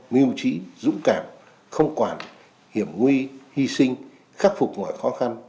mưu trí dũng cảm không quản hiểm nguy hy sinh khắc phục mọi khó khăn